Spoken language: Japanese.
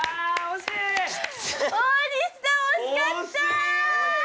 惜しかった！